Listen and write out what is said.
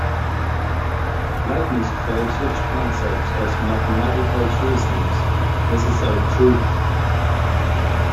Leibniz called such concepts as mathematical truisms "necessary truths".